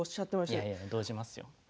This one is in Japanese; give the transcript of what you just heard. いえいえ、動じますよ。